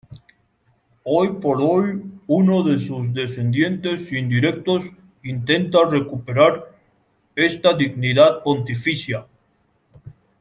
Hoy por hoy uno de sus descendientes indirectos intenta recuperar esta dignidad pontificia.